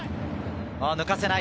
抜かせない。